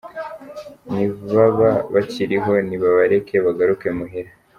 Ni baba bakiriho, ni babareke bagaruke muhira.